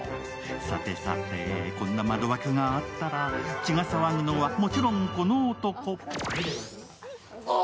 さてさて、こんな窓枠があったら血が騒ぐのは、もちろんこの男。